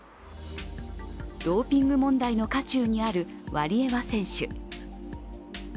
ドーピング問題の渦中にあるワリエワ選手。